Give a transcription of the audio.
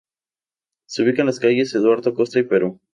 Se ubica en las calles Eduardo Costa y Perú.